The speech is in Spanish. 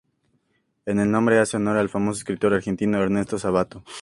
El nombre hace honor al famoso escritor argentino Ernesto Sabato.